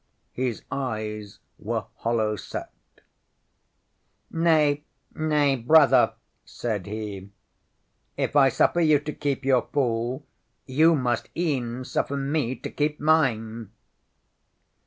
His eyes were hollow set. ŌĆśŌĆ£Nay, nay, Brother, ŌĆØ said he. ŌĆ£If I suffer you to keep your fool, you must eŌĆÖen suffer me to keep mine.